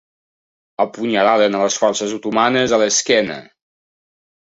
Apunyalaren a les forces otomanes a l'esquena.